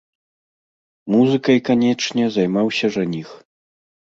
Музыкай, канечне, займаўся жаніх.